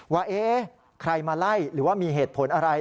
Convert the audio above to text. ว่าใครมาไล่หรือว่ามีเหตุผลอะไร